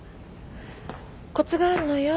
コツがあるのよ。